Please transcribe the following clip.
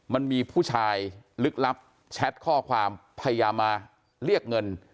มันมีผู้ชายลึกลับแชทข้อความพยายามมาเรียกเงิน